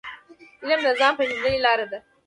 علم د ځان پېژندني لار ده.